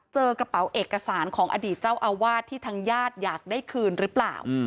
เจอกระเป๋าเอกสารของอดีตเจ้าอาวาสที่ทางญาติอยากได้คืนหรือเปล่า